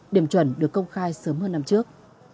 điểm chuẩn được công khai sớm hơn năm trước